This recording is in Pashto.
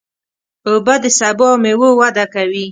اوبه د سبو او مېوو وده کوي.